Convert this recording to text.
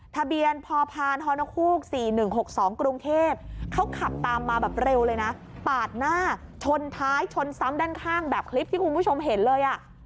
ทะเบียนพพนฮก๔๑๖๒กรุงเทพเขาขับตามมาแบบเร็วเลยนะปาดหน้าชนท้ายชนซ้ำด้านข้างแบบคลิปที่คุณผู้ชมเห็นเลยอ่ะ